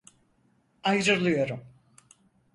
Ayrılıyorum.